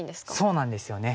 そうなんですよね。